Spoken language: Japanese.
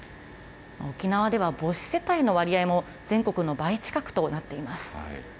沖縄では母子世帯の割合も全国の倍近くとなっています。